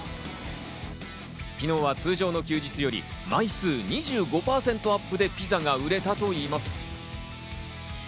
昨日は通常の休日より枚数２５％アップでピザが売れたといいます。